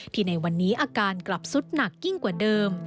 ในวันนี้อาการกลับสุดหนักยิ่งกว่าเดิม